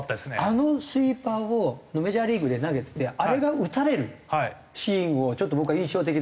あのスイーパーをメジャーリーグで投げててあれが打たれるシーンをちょっと僕は印象的で。